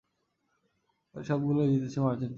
এর সবগুলোই জিতেছে আর্জেন্টিনা।